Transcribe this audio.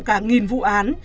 cả nghìn vụ án